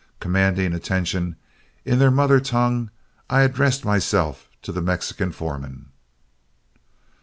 Commanding attention, in their mother tongue I addressed myself to the Mexican foreman.